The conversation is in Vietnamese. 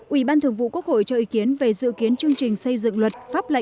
ủy ban thường vụ quốc hội cho ý kiến về dự kiến chương trình xây dựng luật